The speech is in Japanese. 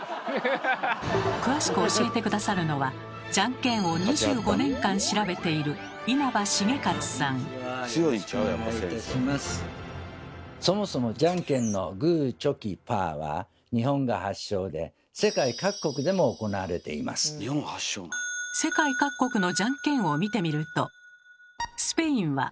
詳しく教えて下さるのはじゃんけんを２５年間調べているそもそもじゃんけんのグーチョキパーは世界各国のじゃんけんを見てみると。